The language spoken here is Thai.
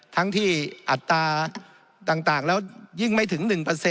ทั้งที่อัตราต่างแล้วยิ่งไม่ถึง๑